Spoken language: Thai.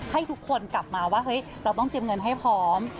ให้ทุกคนกลับมาว่าเฮ้ยเราต้องเตรียมเงินให้พร้อม